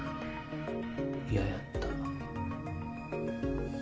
嫌やった。